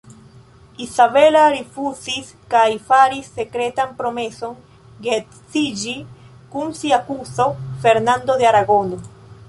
Izabela rifuzis kaj faris sekretan promeson geedziĝi kun sia kuzo, Fernando de Aragono.